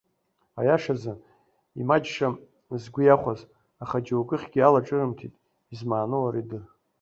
Аиашазы, имаҷшам згәы иахәаз, аха џьоукыхгьы алаҿырымҭит, измааноу уара идыр!